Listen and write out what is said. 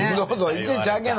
「いちいち開けな！」